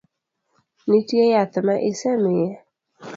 Nitie yath ma isemiye?